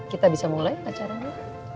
kita bisa mulai acaranya